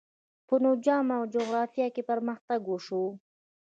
په نجوم او جغرافیه کې پرمختګ وشو.